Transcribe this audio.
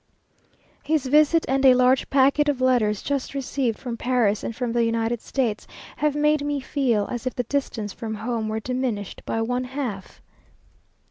His visit and a large packet of letters just received from Paris and from the United States, have made me feel as if the distance from home were diminished by one half.